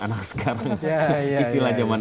anak sekarang istilah